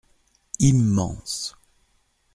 Immense.